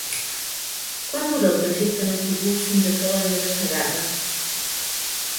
Quant dura el trajecte en autobús fins a Calonge de Segarra?